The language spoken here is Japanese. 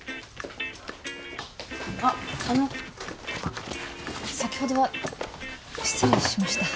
あっあの先ほどは失礼しました。